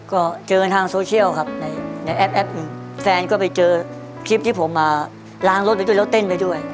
ก็เจอกันทางโซเชียลครับในแอปหนึ่งแฟนก็ไปเจอคลิปที่ผมมาล้างรถไปด้วยแล้วเต้นไปด้วย